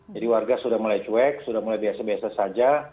jadi warga sudah mulai cuek sudah mulai biasa biasa saja